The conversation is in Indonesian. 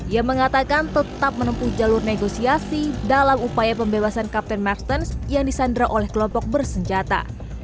ia mengatakan tetap menempuh jalur negosiasi dalam upaya pembebasan kapten merton yang disandra oleh kelompok bersenjata